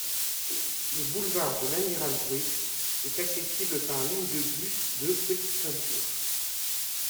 Le boulevard de l'Amiral-Bruix est accessible par la ligne de bus de Petite Ceinture.